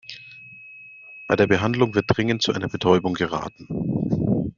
Bei der Behandlung wird dringend zu einer Betäubung geraten.